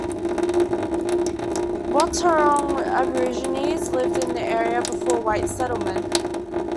Wathaurong Aborigines lived in the area before white settlement.